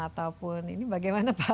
ataupun ini bagaimana pak